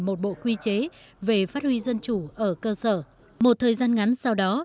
một bộ quy chế về phát huy dân chủ ở cơ sở một thời gian ngắn sau đó